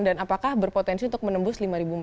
dan apakah berpotensi untuk menembus lima empat ratus